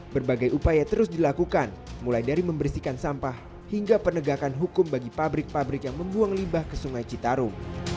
berbagai upaya terus dilakukan mulai dari membersihkan sampah hingga penegakan hukum bagi pabrik pabrik yang membuang limbah ke sungai citarum